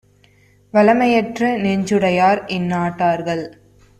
வளமையற்ற நெஞ்சுடையார் இந்நாட்டார்கள்